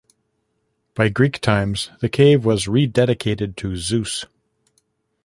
By Greek times the cave was rededicated to Zeus.